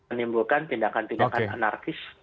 menimbulkan tindakan tindakan anarkis